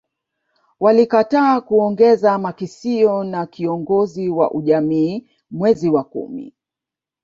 Walikataa kuongeza makisio na kiongozi wa ujamii mwezi wa kumi